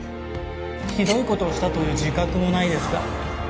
ひどいことをしたという自覚もないですか